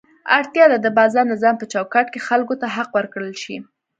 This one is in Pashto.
اړتیا ده د بازار نظام په چوکاټ کې خلکو ته حق ورکړل شي.